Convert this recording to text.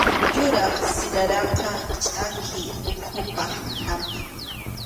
Yuraq siraraqa chʼaki uhupaq hampim